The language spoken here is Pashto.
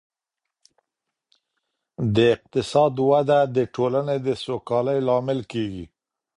د اقتصاد وده د ټولني د سوکالۍ لامل کيږي.